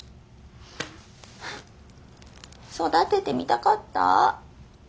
はあ育ててみたかった。